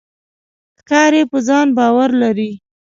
ښکاري په ځان باور لري.